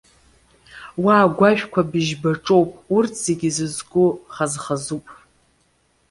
Уа агәашәқәа быжьба ҿоуп, урҭ зегьы зызку хазхазуп.